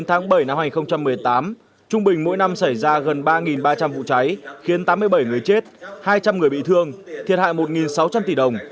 trung bình mỗi năm xảy ra gần ba ba trăm linh vụ cháy khiến tám mươi bảy người chết hai trăm linh người bị thương thiệt hại một sáu trăm linh tỷ đồng